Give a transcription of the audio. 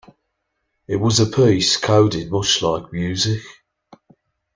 It was a piece coded much like music.